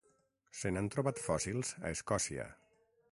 Se n'han trobat fòssils a Escòcia.